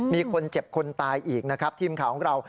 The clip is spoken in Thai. มีคนเจ็บคนตายอีกนะครับทีมข่าวของเรา